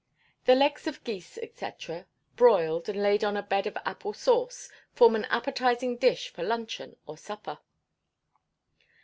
The legs of geese, &c., broiled, and laid on a bed of apple sauce, form an appetising dish for luncheon or supper.